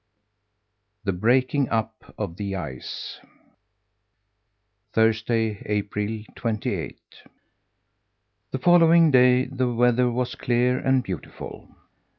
THE BREAKING UP OF THE ICE Thursday, April twenty eighth. The following day the weather was clear and beautiful.